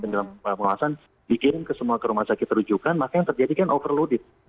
dalam penguasaan dikirim semua ke rumah sakit rujukan maka yang terjadi kan overloaded